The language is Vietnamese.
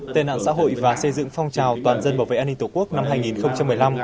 tệ nạn xã hội và xây dựng phong trào toàn dân bảo vệ an ninh tổ quốc năm hai nghìn một mươi năm